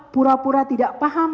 pura pura tidak paham